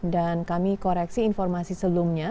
dan kami koreksi informasi sebelumnya